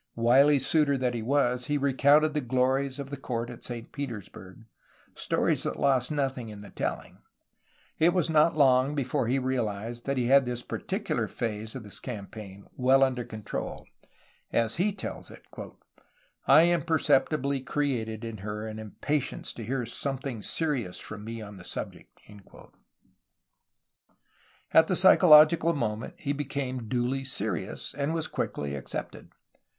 Wily suitor that he was, he recounted the glories of the court at Saint Petersburg, stories that lost nothing in the telling. It was not long before he realized that he had this particular phase of his campaign well under control. As he tells it: "I imperceptibly created in her an impatience to hear something serious from me on the subject." At the psychological moment he became duly "serious," and was quickly accepted.